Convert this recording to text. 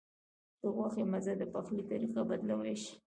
د غوښې مزه د پخلي طریقه بدلولی شي.